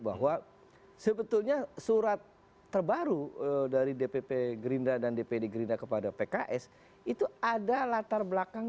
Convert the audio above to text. bahwa sebetulnya surat terbaru dari dpp gerindra dan dpd gerindra kepada pks itu ada latar belakang